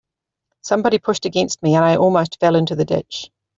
Somebody pushed against me, and I almost fell into the ditch.